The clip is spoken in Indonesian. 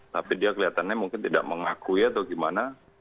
tapi dia kelihatannya mungkin tidak mengakui atau gimana